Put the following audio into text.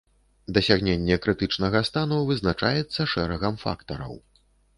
Дасягненне крытычнага стану вызначаецца шэрагам фактараў.